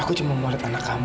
aku cuma mau lihat anak kamu